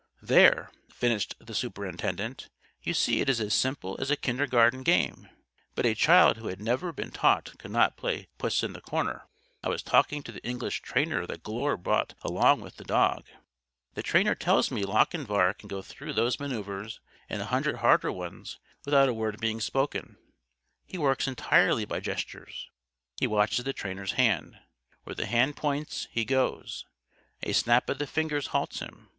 "There," finished the superintendent, "you see it is as simple as a kindergarten game. But a child who had never been taught could not play Puss in the Corner.' I was talking to the English trainer that Glure bought along with the dog. The trainer tells me Lochinvar can go through those maneuvers and a hundred harder ones without a word being spoken. He works entirely by gestures. He watches the trainer's hand. Where the hand points he goes. A snap of the fingers halts him.